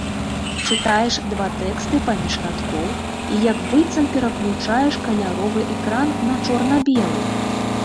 Чытаеш два тэксты паміж радкоў і як быццам пераключаеш каляровы экран на чорна-белы.